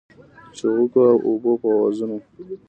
د چوغکو او اوبو په آوازونو